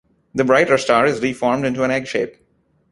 The brighter star is deformed into an egg shape.